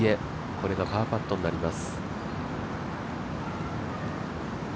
これがパーパットになります。